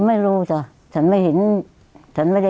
ไม่รู้จ้ะฉันไม่เห็นฉันไม่ได้